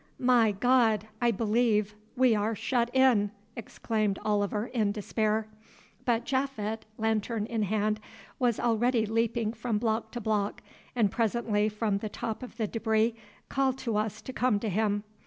"My God! I believe we are shut in," exclaimed Oliver in despair. But Japhet, lantern in hand, was already leaping from block to block, and presently, from the top of the débris, called to us to come to him.